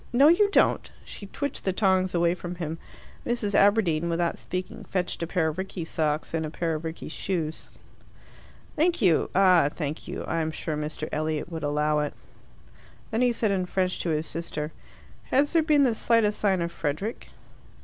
No, you don't!" She twitched the tongs away from him. Mrs. Aberdeen, without speaking, fetched a pair of Rickie's socks and a pair of Rickie's shoes. "Thank you; ah, thank you. I am sure Mr. Elliot would allow it." Then he said in French to his sister, "Has there been the slightest sign of Frederick?"